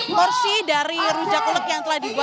apalagi untuk rujak yang cantik